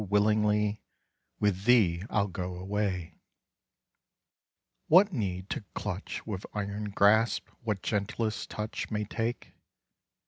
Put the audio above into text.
willingly, With thee I'll go away. What need to clutch with iron graspWhat gentlest touch may take?